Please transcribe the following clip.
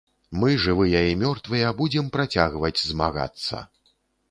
Мы, жывыя і мёртвыя, будзем працягваць змагацца!